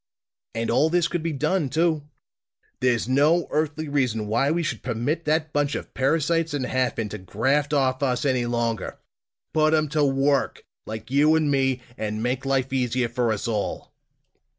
And all this could be done, too. There's no earthly reason why we should permit that bunch of parasites in Hafen to graft off us any longer! Put 'em to work, like you and me, and make life easier for us all!"